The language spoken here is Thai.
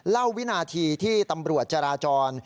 วินาทีที่ตำรวจจราจร